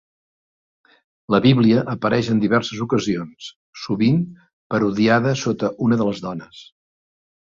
La Bíblia apareix en diverses ocasions, sovint parodiada sota una de les dones.